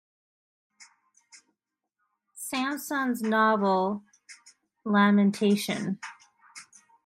Sansom's novel "Lamentation".